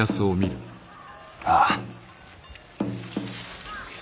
ああ。